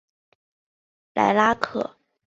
莱拉克。